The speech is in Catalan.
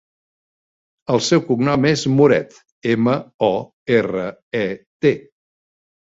El seu cognom és Moret: ema, o, erra, e, te.